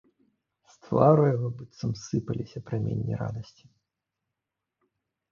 З твару яго быццам сыпаліся праменні радасці.